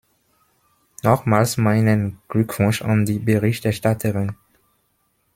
Nochmals meinen Glückwunsch an die Berichterstatterin!